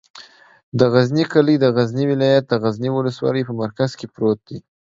د غزنی کلی د غزنی ولایت، غزنی ولسوالي په مرکز کې پروت دی.